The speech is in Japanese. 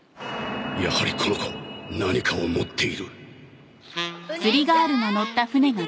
やはりこの子何かを持っているおねいさん！